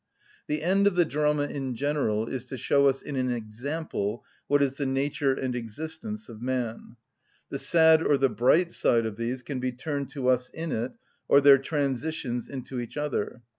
The end of the drama in general is to show us in an example what is the nature and existence of man. The sad or the bright side of these can be turned to us in it, or their transitions into each other.